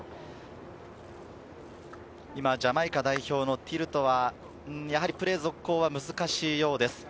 今、ジャマイカ代表のティルトはやはりプレー続行は難しいようです。